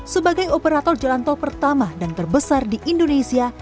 sebagai operator jalan tol pertama dan terbesar di indonesia